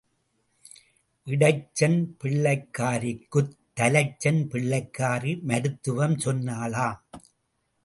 இடைச்சன் பிள்ளைக்காரிக்குத் தலைச்சன் பிள்ளைக்காரி மருத்துவம் சொன்னாளாம்.